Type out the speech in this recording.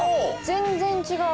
全然違う！